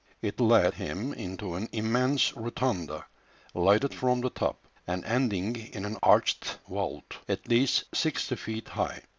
It led him into an "immense rotunda lighted from the top, and ending in an arched vault, at least sixty feet high.